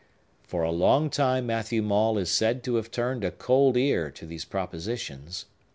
For a long time Matthew Maule is said to have turned a cold ear to these propositions.